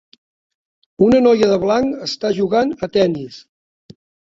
Una noia de blanc està jugant a tennis.